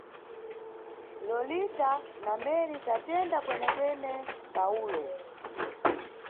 Lolita na Meri Tatenda kwenekwene, Pawulo.